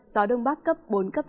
gió đông bắc cấp bốn cấp năm